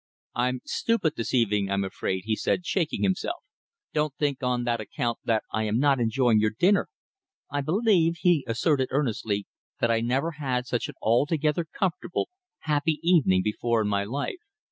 "I'm stupid this evening, I'm afraid," said he, shaking himself. "Don't think on that account I am not enjoying your dinner. I believe," he asserted earnestly, "that I never had such an altogether comfortable, happy evening before in my life."